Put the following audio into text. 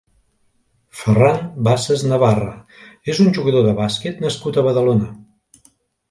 Ferran Bassas Navarra és un jugador de bàsquet nascut a Badalona.